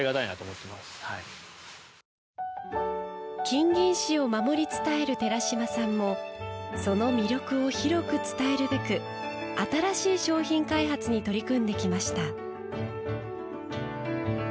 金銀糸を守り伝える寺島さんもその魅力を広く伝えるべく新しい商品開発に取り組んできました。